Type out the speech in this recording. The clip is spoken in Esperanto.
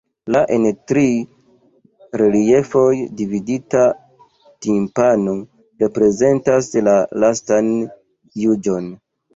La en tri reliefoj dividita timpano reprezentas la Lastan juĝon.